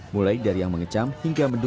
mulai dari yang mengecam hingga menduduk